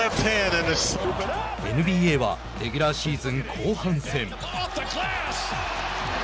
ＮＢＡはレギュラーシーズン後半戦。